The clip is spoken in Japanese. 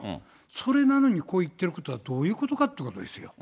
それなのにこう言ってることはどういうことかということですよ。